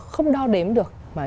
không đo đếm được